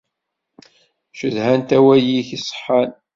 Cedhant awal-ik iṣeḥḥan.